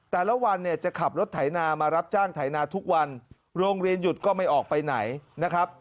แต่ละวันเนี่ยจะขับรถไถนามารับจ้างไถนาทุกวันโรงเรียนหยุดก็ไม่ออกไปไหนนะครับ